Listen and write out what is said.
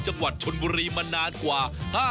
จังหวัดชนบุรีมานานกว่า